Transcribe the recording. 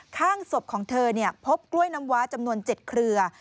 ข้างศพของเธอพบกล้วยน้ำว้าจำนวน๗เครือ